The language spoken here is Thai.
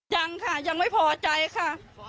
ยังค่ะยังไม่พอใจค่ะ